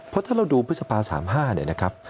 เพราะถ้าเราดูพฤษภา๓๕เนี่ยนะครับ